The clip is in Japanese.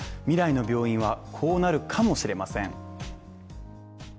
未来の病院はこうなるかもしれません。